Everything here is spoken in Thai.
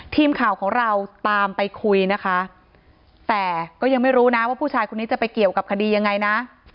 ทีมข่าวของเราตามไปคุยนะคะแต่ก็ยังไม่รู้นะว่าผู้ชายคนนี้จะไปเกี่ยวกับคดียังไงนะ